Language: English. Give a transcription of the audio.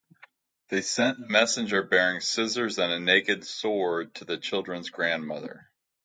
They sent a messenger bearing scissors and a naked sword to the children's grandmother.